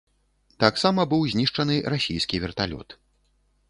Таксама быў знішчаны расійскі верталёт.